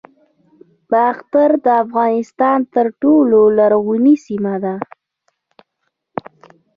باختر د افغانستان تر ټولو لرغونې سیمه ده